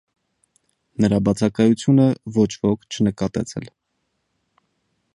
նրա բացակայությունը ոչ ոք չնկատեց էլ: